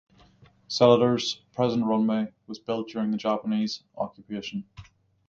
Seletar's present runway was built during the Japanese Occupation.